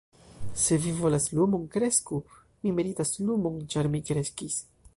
"Se vi volas lumon, kresku. Mi meritas la lumon, ĉar mi kreskis."